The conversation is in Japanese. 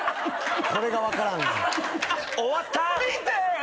これが分からん。